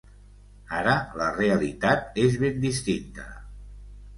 Ara, la realitat és ben distinta.